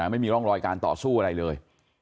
ไม่มีร่องรอยการต่อสู้อะไรเลย